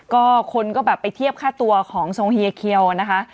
ก็คนก็แบบไปเทียบค่าตัวของทรงเฮียเคียวนะคะ